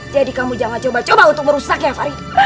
jadi kamu jangan coba coba untuk merusak ya farida